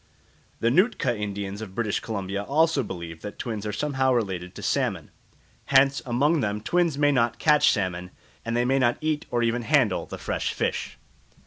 The Nootka Indians of British Columbia also believe that twins are somehow related to salmon. Hence among them twins may not catch salmon, and they may not eat or even handle the fresh fish.